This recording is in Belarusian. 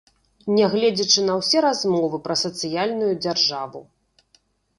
Нягледзячы на ўсе размовы пра сацыяльную дзяржаву.